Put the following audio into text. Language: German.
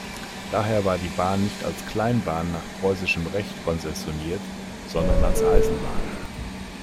Daher war die Bahn nicht als Kleinbahn nach preußischem Recht konzessioniert, sondern als Eisenbahn.